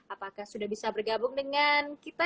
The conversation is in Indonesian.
apakah sudah bisa bergabung dengan kita